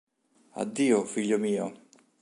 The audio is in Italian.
Addio, figlio mio!